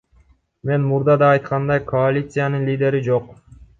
Мен мурда да айткандай, коалициянын лидери жок.